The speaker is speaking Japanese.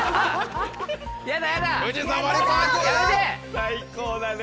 最高だね。